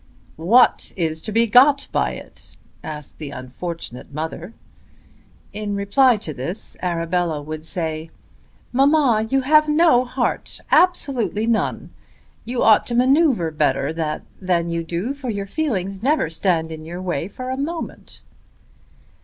"What is to be got by it?" asked the unfortunate mother. In reply to this Arabella would say, "Mamma, you have no heart; absolutely none. You ought to manoeuvre better than you do, for your feelings never stand in your way for a moment."